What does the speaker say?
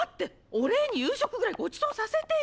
お礼に夕食ぐらいごちそうさせてよ！